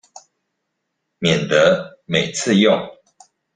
免得每次用